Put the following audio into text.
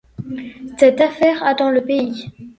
Cette affaire a dans le pays.